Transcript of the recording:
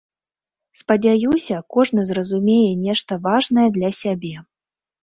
Спадзяюся кожны зразумее нешта важнае для сябе.